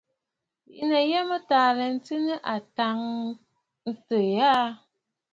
Bìꞌinə̀ yə mə taa aɨ lɛ ntswe nɨ àtàŋəntɨɨ aà.